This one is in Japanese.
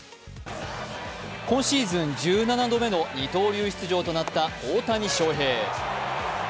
今シーズン１７度目の二刀流出場となった大谷翔平。